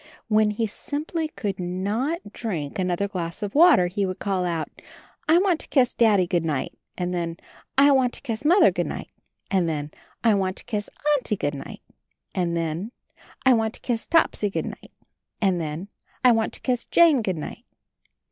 When he simply could not drink another glass of water, he would call out, "I want to kiss Daddy good night" — and then, "I want to kiss Mother good night" — and then, "I want to kiss Auntie good night" — and then, "I want to kiss Topsy good night" — and then, "I want to kiss Jane good night."